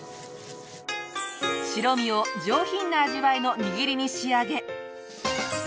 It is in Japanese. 白身を上品な味わいの握りに仕上げ。